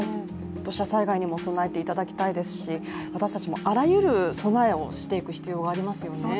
土砂災害にも備えていただきたいですし私たちもあらゆる備えをしていく必要がありますよね。